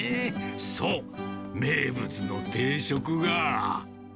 そう、名物の定食が。